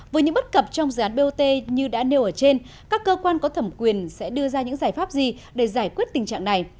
với những bất cập trong dự án bot như đã nêu ở trên các cơ quan có thẩm quyền sẽ đưa ra những giải pháp gì để giải quyết tình trạng này